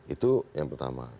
itu yang pertama